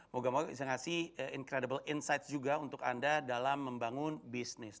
moga moga bisa ngasih incredible insight juga untuk anda dalam membangun bisnis